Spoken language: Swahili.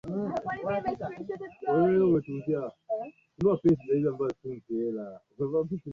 na kushinikiza wanasiasa viongozi na